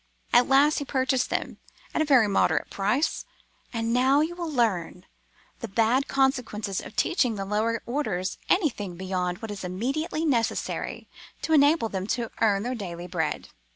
At last he purchased them at a very moderate price. And now you will learn the bad consequences of teaching the lower orders anything beyond what is immediately necessary to enable them to earn their daily bread!